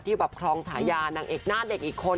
แบบครองฉายานางเอกหน้าเด็กอีกคน